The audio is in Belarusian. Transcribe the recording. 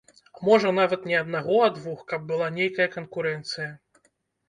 Можа, нават не аднаго, а двух, каб была нейкая канкурэнцыя.